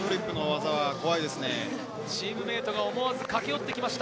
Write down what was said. チームメートが思わず駆け寄ってきました。